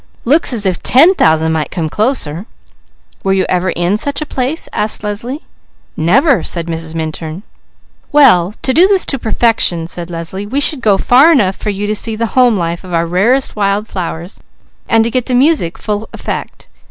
"Looks as if ten thousand might come closer!" "Where you ever in such a place?" asked Leslie. "Never!" said Mrs. Minturn. "Well to do this to perfection," said Leslie, "we should go far enough for you to see the home life of our rarest wild flowers and to get the music full effect.